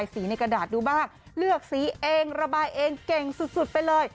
สีในกระดาษดูบ้างเลือกสีเองระบายเองเก่งสุดไปเลย